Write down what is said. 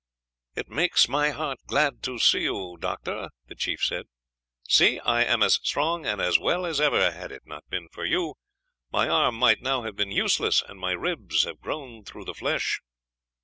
"It makes my heart glad to see you, Doctor," the chief said. "See, I am as strong and as well as ever. Had it not been for you, my arm might now have been useless, and my ribs have grown through the flesh."